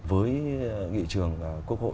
với nghị trường quốc hội